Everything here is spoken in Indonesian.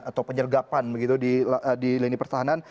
atau penyergapan begitu di lini pertahanan